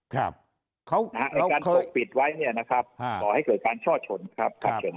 การตกปิดไว้เนี่ยนะครับต่อให้เกิดการช่อชนครับ